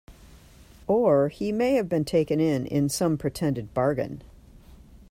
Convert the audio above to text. Or he may have been taken in, in some pretended bargain.